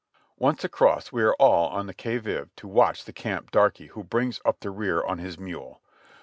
Once across, we are all on the qui vive to watch the camp darky who brings up the rear on his mule.